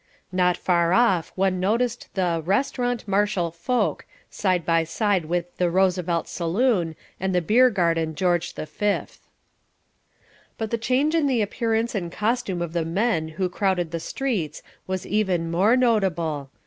Not far off one noticed the RESTAURANT MARSHAL FOCH, side by side with the ROOSEVELT SALOON and the BEER GARDEN GEORGE V. But the change in the appearance and costume of the men who crowded the streets was even more notable.